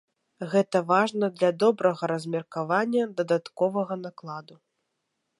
Гэта важна для добрага размеркавання дадатковага накладу.